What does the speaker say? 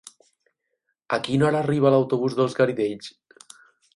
A quina hora arriba l'autobús dels Garidells?